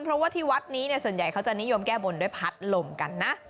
เพราะว่าที่วัดนี้เนี่ยส่วนใหญ่เขาจะนิยมแก้บนด้วยพัดลมกันนะ